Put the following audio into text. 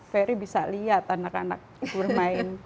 ferry bisa lihat anak anak bermain